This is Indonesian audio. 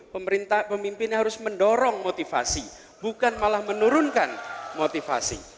pemimpin harus mendorong motivasi bukan malah menurunkan motivasi